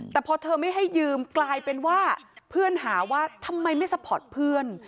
แต่พอเธอไม่ให้ยืมกลายเป็นว่าเพื่อนหาว่าทำไมไม่ซัพพอร์ตเพื่อน